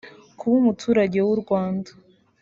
kuba umuturage w’u Rwanda